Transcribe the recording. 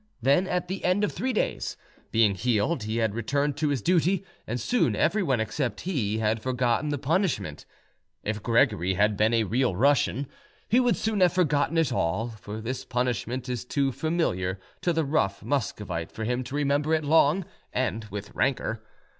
Then at the end of three days, being healed, he had returned to his duty, and soon everyone except he had forgotten the punishment. If Gregory had been a real Russian, he would soon have forgotten it all; for this punishment is too familiar to the rough Muscovite for him to remember it long and with rancour.